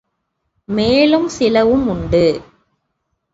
மேலும் சிலவும் உண்டு.